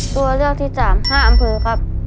ตัวเลือกที่๓๕อำเภอครับ